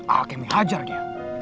alkemi hajar dia